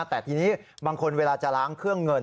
แต่ทีนี้บางคนเวลาจะล้างเครื่องเงิน